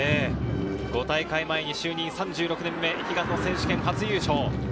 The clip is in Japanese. ５大会前に就任３６年目、悲願の選手権初優勝。